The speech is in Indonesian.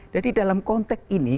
jadi dalam konteks ini